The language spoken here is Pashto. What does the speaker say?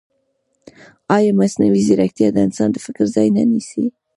ایا مصنوعي ځیرکتیا د انسان د فکر ځای نه نیسي؟